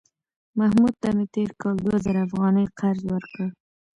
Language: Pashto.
محمود ته مې تېر کال دوه زره افغانۍ قرض ورکړ